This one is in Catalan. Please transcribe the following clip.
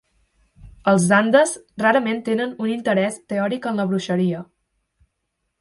Els zandes rarament tenen un interès teòric en la bruixeria.